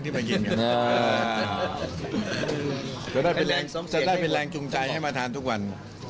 นี่ฮะจะได้เป็นแรงจุงใจให้มาทานทุกวัน